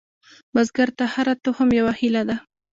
بزګر ته هره تخم یوه هیلې ده